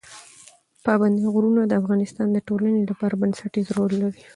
پابندی غرونه د افغانستان د ټولنې لپاره بنسټيز رول لري.